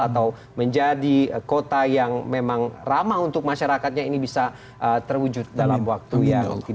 atau menjadi kota yang memang ramah untuk masyarakatnya ini bisa terwujud dalam waktu yang